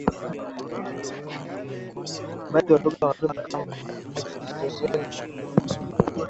Baadhi waliondoka mapema kama Machi ishirini ishirini na moja